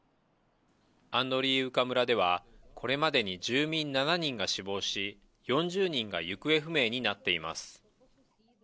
アンドリーウカ村ではこれまでに住民７人が死亡し、４０人が行方不明になっています。